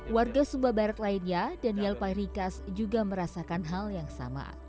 warga sumba barat lainnya daniel pahirikas juga merasakan hal yang sama